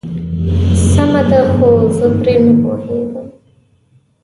سمه ده خو زه پرې نه پوهيږم.